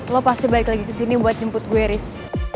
lo pasti balik lagi kesini buat jemput gue riz